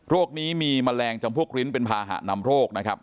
นี้มีแมลงจำพวกลิ้นเป็นภาหะนำโรคนะครับ